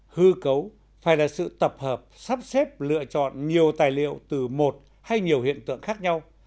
hư cấu phải là sự tập hợp sắp xếp lựa chọn nhiều tài liệu từ một hay nhiều hiện tượng khác nhau